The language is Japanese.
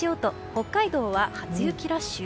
北海道は初雪ラッシュ？